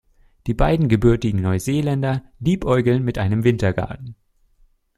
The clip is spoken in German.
Die beiden gebürtigen Neuseeländer liebäugeln mit einem Wintergarten.